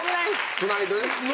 つないでね。